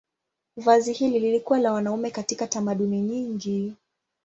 Vazi hili lilikuwa la wanaume katika tamaduni nyingi.